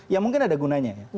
ya mungkin ada gunanya ya